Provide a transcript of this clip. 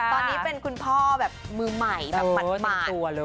ตอนนี้เป็นคุณพ่อแบบมือใหม่แบบหมาด